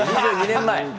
２２年前。